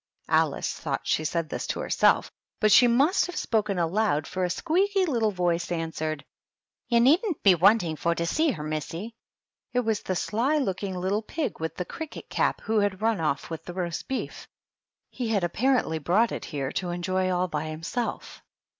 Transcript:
Alice thought she said this to herself, but she must have spoken aloud, for a squeaky little voice answered, "You needn't be wanting for to see heTy missy." It was the sly looking little pig with the cricket cap who had run off with the roast beef; he had apparently brought it there to enjoy all by himself.